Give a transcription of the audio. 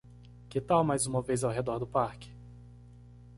Que tal mais uma vez ao redor do parque?